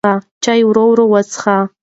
چای ورو ورو وڅښه.